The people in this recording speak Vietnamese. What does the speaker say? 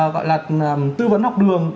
gọi là tư vấn học đường